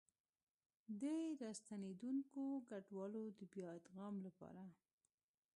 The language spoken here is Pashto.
د راستنېدونکو کډوالو د بيا ادغام لپاره